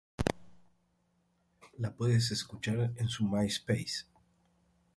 La puedes escuchar en su myspace.